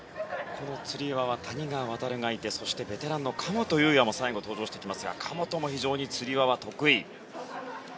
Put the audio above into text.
つり輪は谷川航がいてベテランの神本雄也も最後、登場してきますが神本も非常につり輪は得意。